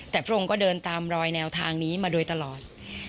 แต่พระองค์ก็เดินตามรอยแนวทางนี้มาโดยตลอด